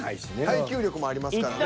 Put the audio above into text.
耐久力もありますからね。